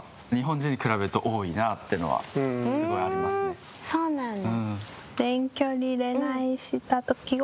ふんそうなんだ。